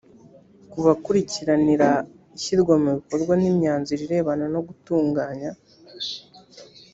kubakurikiranira ishyirwa mu bikorwa ry imyanzuro irebana no gutunganya